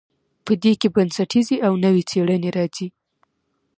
په دې کې بنسټیزې او نوې څیړنې راځي.